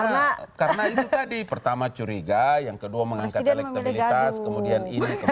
gadu karena itu tadi pertama curiga yang kedua mengangkat elektabilitas kemudian ini kemudian itu